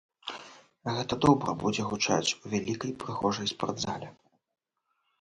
Гэта добра будзе гучаць у вялікай прыгожай спартзале.